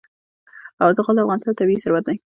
زغال د افغانستان طبعي ثروت دی.